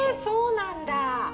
そうなんだ。